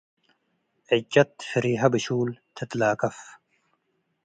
ዕጨት ፍሬሀ ብሹል ትትላከፍ።